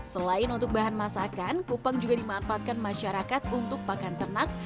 selain untuk bahan masakan kupang juga dimanfaatkan masyarakat untuk pakan ternak